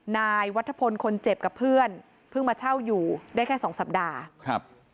นายวัฒพลคนเจ็บกับเพื่อนเพิ่งมาเช่าอยู่ได้แค่สองสัปดาห์ครับ